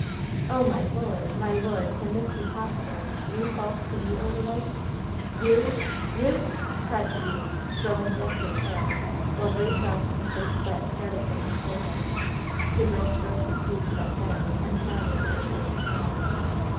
"Oh, my Lord, my Lord! Can this be possible? You false to me, Odalite! You you!" cried the youth, growing deathly pale, while great drops of cold sweat started from his forehead. The girl strove to speak, but failed, and nodded with a choking sob.